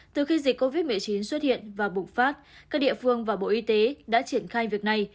từ khi dịch covid một mươi chín xuất hiện và bùng phát các địa phương và bộ y tế đã triển khai việc này